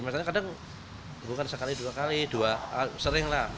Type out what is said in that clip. masanya kadang bukan sekali dua kali dua seringlah